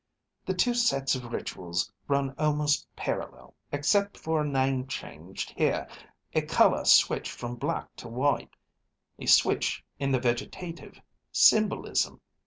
The two sets of rituals run almost parallel, except for a name changed here, a color switched from black to white, a switch in the vegetative symbolism.